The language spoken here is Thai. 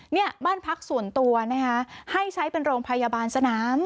เนี่ยบ้านพักส่วนตัวนะคะให้ใช้เป็นโรงพยาบาลสนาม